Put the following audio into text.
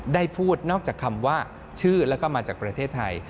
ได้พูดนอกจากคำว่าชื่อแล้วก็มาจากประเทศไทย